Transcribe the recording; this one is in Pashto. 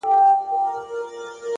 پر ځان باور نیمه بریا ده.